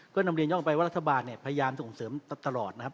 ก็นำเรียนย่องไปว่ารัฐบาลเนี่ยพยายามส่งเสริมตลอดนะครับ